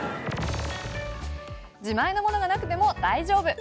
自前のものがなくても大丈夫。